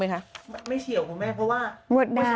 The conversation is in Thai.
ไม่เฉียวมันไม่เพราะว่า